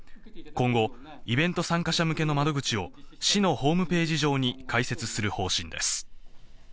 今後、イベント参加者向けの窓口を、市のホームページ上に開設する方針です。